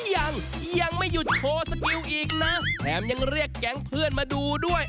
ยังยังไม่หยุดโชว์สกิลอีกนะแถมยังเรียกแก๊งเพื่อนมาดูด้วย